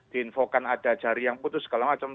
diinfokan ada jari yang putus segala macam